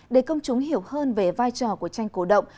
để công chúng hiểu hơn về vai trò của tranh cổ động